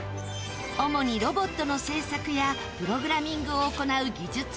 主にロボットの制作やプログラミングを行う技術部